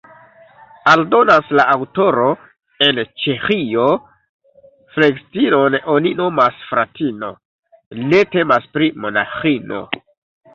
Aldonas la aŭtoro: En Ĉeĥio flegistinon oni nomas fratino: ne temas pri monaĥino.